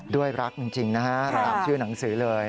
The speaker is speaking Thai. ด้วยรักจริงนะฮะตามชื่อหนังสือเลย